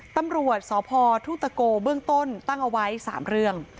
ตำรวจสพทุ่งตะโกเบื้องต้นตั้งเอาไว้๓เรื่อง